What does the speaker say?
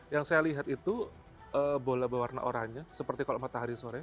yang saya lihat itu bola berwarna oranye seperti kalau matahari sore